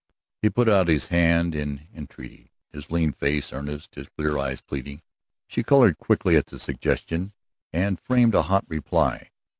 He put out his hand in entreaty, his lean face earnest, his clear eyes pleading. She colored quickly at the suggestion, and framed a hot reply.